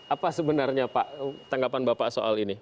apa sebenarnya pak tanggapan bapak soal ini